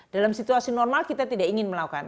dalam situasi normal kita tidak ingin melakukan